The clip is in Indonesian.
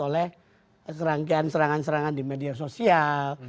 oleh serangkaian serangan serangan di media sosial